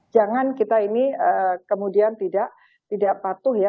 jangan kita ini kemudian tidak patuh ya